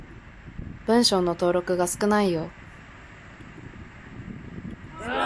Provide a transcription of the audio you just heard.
文章の登録が少ないよ。